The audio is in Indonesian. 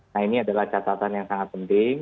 nah ini adalah catatan yang sangat penting